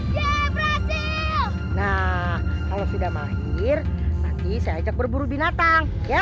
ya berhasil nah kalau sudah mahir nanti saya ajak berburu binatang ya